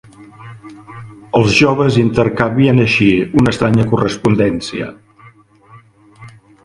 Els joves intercanvien així una estranya correspondència.